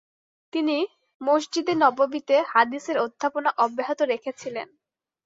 তিনি মসজিদে নববীতে হাদিসের অধ্যাপনা অব্যাহত রেখেছিলেন।